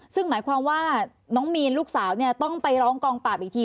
ซึ่งหมายความว่าน้องมีนลูกสาวเนี่ยต้องไปร้องกองปราบอีกที